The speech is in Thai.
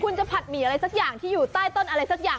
คุณจะผัดหมี่อะไรสักอย่างที่อยู่ใต้ต้นอะไรสักอย่าง